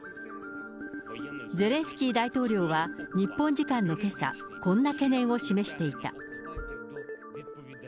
ゼレンスキー大統領は、日本時間のけさ、こんな懸念を示していた。